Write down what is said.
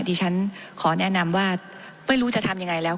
ดิฉันขอแนะนำว่าไม่รู้จะทำยังไงแล้ว